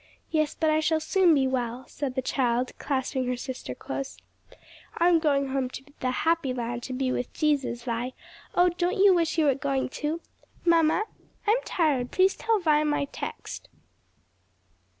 "Yes; but I shall soon be well," said the child clasping her sister close; "I'm going home to the happy land to be with Jesus, Vi; oh, don't you wish you were going too? Mamma I'm tired; please tell Vi my text."